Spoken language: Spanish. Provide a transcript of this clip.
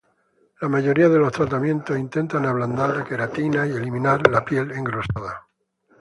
La mayoría de los tratamientos intentan ablandar la queratina y eliminar la piel engrosada.